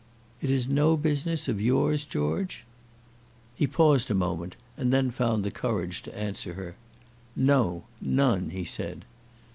"It is no business of yours, George?" He paused a moment, and then found the courage to answer her. "No none," he said.